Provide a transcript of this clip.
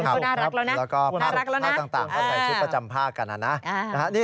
แล้วก็ภาคต่างก็ใส่ชุดประจำภาคกันนะนะ